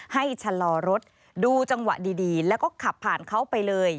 ชะลอรถดูจังหวะดีแล้วก็ขับผ่านเขาไปเลย